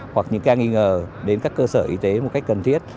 hoặc những ca nghi ngờ đến các cơ sở y tế một cách cần thiết